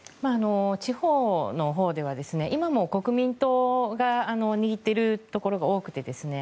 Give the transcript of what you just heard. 地方のほうでは、今も国民党が握っているところが多くてですね